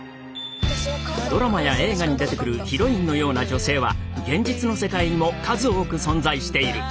ドラマや映画に出てくるヒロインのような女性は現実の世界にも数多く存在している。